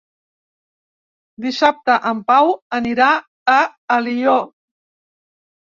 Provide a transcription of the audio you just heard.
Dissabte en Pau anirà a Alió.